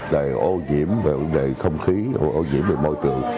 rồi ô nhiễm về không khí ô nhiễm về môi trường